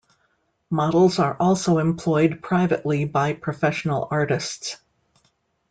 Models are also employed privately by professional artists.